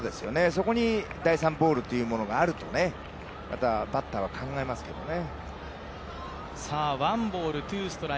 そこに第３ボールというものがあると、またバッターは考えますけどね。